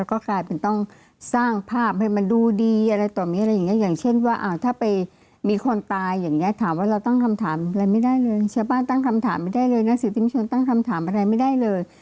ก็กลายเป็นต้องสร้างภาพให้มันดูดีอะไรต่อมีอะไรอย่างเงี้อย่างเช่นว่าถ้าไปมีคนตายอย่างเงี้ถามว่าเราตั้งคำถามอะไรไม่ได้เลยชาวบ้านตั้งคำถามไม่ได้เลยนะสื่อติมชนตั้งคำถามอะไรไม่ได้เลย